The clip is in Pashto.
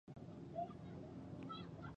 نورستان د افغانستان په ختيځ کې موقيعت لري.